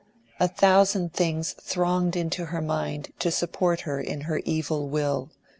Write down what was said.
A thousand things thronged into her mind to support her in her evil will.